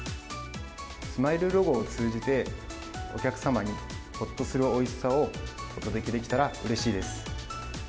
スマイルロゴを通じて、お客様にほっとするおいしさをお届けできたらうれしいです。